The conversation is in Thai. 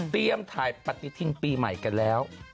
เตรียมถ่ายปฏิทินปีใหม่กันแล้ว